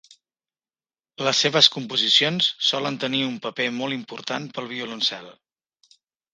Les seves composicions solen tenir un paper molt important pel violoncel.